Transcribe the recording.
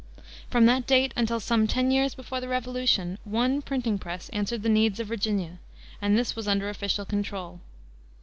From that date until some ten years before the Revolution one printing press answered the needs of Virginia, and this was under official control.